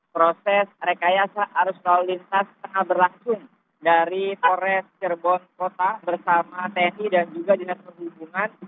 proses rekayasa arus lalu lintas tengah berlangsung dari polres cirebon kota bersama tni dan juga dinas perhubungan